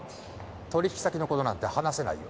取引先の事なんて話せないよ。